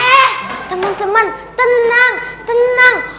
eh teman teman tenang tenang